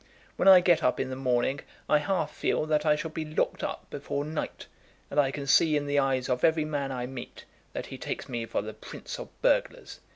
When I get up in the morning, I half feel that I shall be locked up before night, and I can see in the eyes of every man I meet that he takes me for the prince of burglars!"